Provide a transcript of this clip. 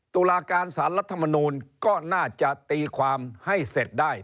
ตุลาการสารรัฐมนูลก็น่าจะตีความให้เสร็จได้